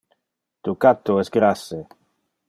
Tu catto es grasse.